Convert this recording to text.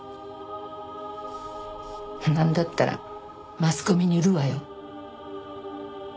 なんだったらマスコミに売るわよ。